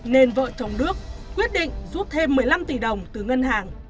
nên vợ chồng đức quyết định rút thêm một mươi năm tỷ đồng từ ngân hàng